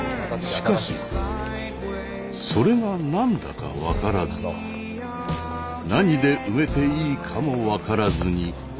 しかしそれが何だか分からず何で埋めていいかも分からずに